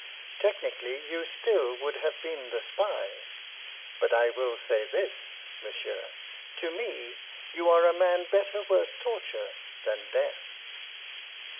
Technically, you still would have been the spy. But I will say this, monsieur, to me you are a man better worth torture than death."